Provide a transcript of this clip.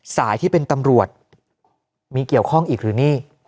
ที่เป็นตำรวจมีเกี่ยวข้องอีกหรือนี่